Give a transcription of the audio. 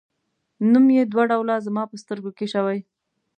نوم یې دوه ډوله زما په سترګو شوی.